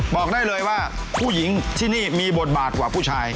บอกได้เลยว่าผู้หญิงที่นี่มีบทบาทกว่าผู้ชาย